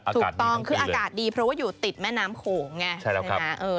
อากาศดีทั้งปีเลยถูกต้องคืออากาศดีเพราะว่าอยู่ติดแม่น้ำโขงไง